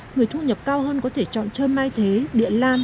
người thu nhập cao hơn có thể chọn chơi mai thế điện lam